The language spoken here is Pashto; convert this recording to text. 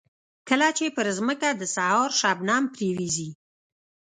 کله چې پر ځمکه د سهار شبنم پرېوځي.